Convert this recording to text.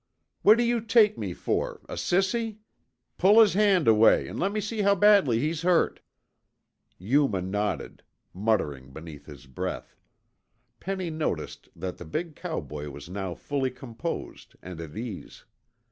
"What do you take me for, a sissy? Pull his hand away, and let's see how badly he's hurt." Yuma nodded, muttering beneath his breath. Penny noticed that the big cowboy was now fully composed and at ease.